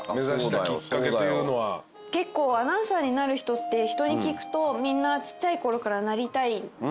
結構アナウンサーになる人って人に聞くとみんなちっちゃいころからなりたいって。